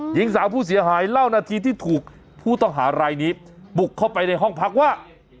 หญิงสาวผู้เสียหายเล่านาทีที่ถูกผู้ต้องหารายนี้บุกเข้าไปในห้องพักว่า